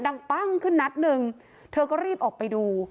ปั้งขึ้นนัดหนึ่งเธอก็รีบออกไปดู